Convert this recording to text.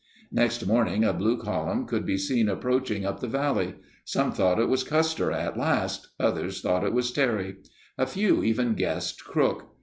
Next morning a blue column could be seen ap proaching up the valley. Some thought it was Custer at last, others thought it was Terry. A few even guessed Crook.